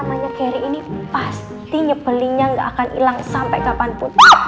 namanya keri ini pasti nyebelinnya gak akan ilang sampai kapanpun